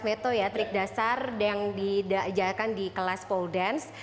meto ya trik dasar yang dijadikan di kelas pole dance